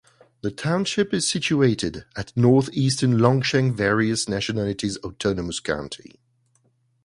The township is situated at northeastern Longsheng Various Nationalities Autonomous County.